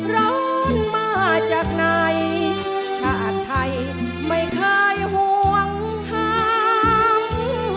ร้อนมาจากไหนชาติไทยไม่เคยห่วงทาง